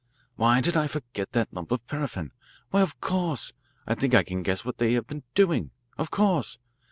"Why did I forget that lump of paraffin? Why, of course I think I can guess what they have been doing of course.